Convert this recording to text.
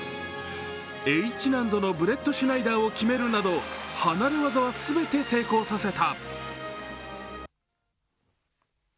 Ｈ難度のブレットシュナイダーを決めるなど、離れ技は全て成功させた。